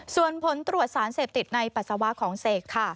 ส่วนผลตรวจสารเสพติดในปัสสาวะของเสกค่ะ